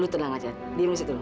lu tenang aja dia masih dulu